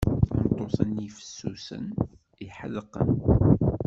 Tameṭṭut-nni fessusen, iḥedqen.